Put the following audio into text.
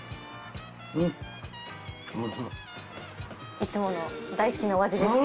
いつもの大好きなお味ですか？